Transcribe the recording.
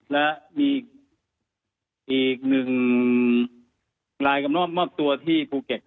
และมีอีกหนึ่งรายกำลังมอบตัวที่ภูเก็ต